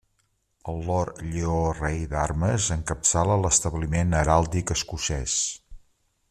El Lord Lleó Rei d'Armes encapçala l'establiment heràldic escocès.